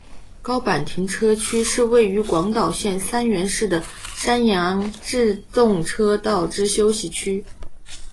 高坂停车区是位于广岛县三原市的山阳自动车道之休息区。